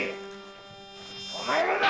お前もだ‼